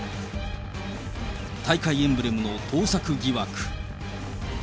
大会エンブレムの盗作疑惑。